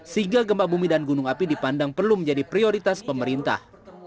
sehingga gempa bumi dan gunung api dipandang perlu menjadi prioritas pemerintah